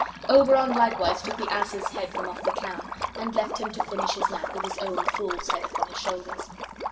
Oberon likewise took the ass's head from off the clown, and left him to finish his nap with his own fool's head upon his shoulders.